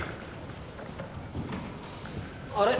あれ？